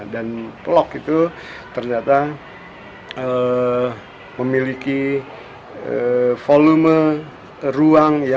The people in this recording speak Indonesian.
dan pelok itu ternyata memiliki volume ruang yang kurang lebih sama dengan perintah